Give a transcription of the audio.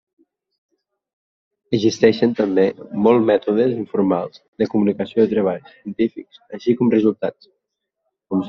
Existeixen també molt mètodes informals de comunicació de treballs científics així com resultats.